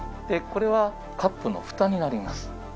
これはカップの蓋になります